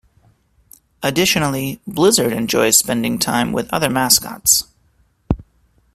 Additionally, Blizzard enjoys spending time with other mascots.